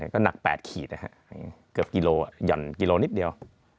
ก็หนัก๘ขีดนะฮะเกือบกิโลหย่อนกิโลนิดเดียว